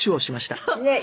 ねえ。